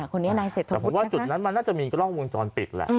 คนนี้อันไหนเศษฐพุทธนะคะจุดนั้นมันน่าจะมีกล้องวงจรปิดแหละ